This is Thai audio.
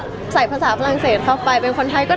แต่จริงแล้วเขาก็ไม่ได้กลิ่นกันว่าถ้าเราจะมีเพลงไทยก็ได้